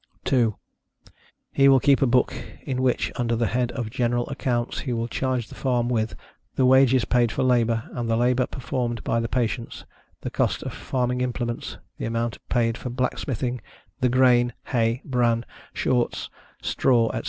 2. He will keep a book, in which, under the head of GENERAL ACCOUNTS, he will charge the farm with, the wages paid for labor, and the labor performed by the patients; the cost of farming implements; the amount paid for blacksmithing; the grain, hay, bran, shorts, straw, etc.